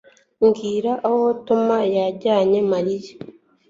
Mbwira aho Tom yajyanye Mariya